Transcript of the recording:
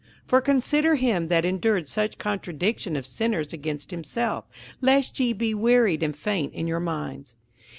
58:012:003 For consider him that endured such contradiction of sinners against himself, lest ye be wearied and faint in your minds.